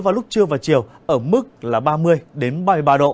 vào lúc trưa và chiều ở mức là ba mươi ba mươi ba độ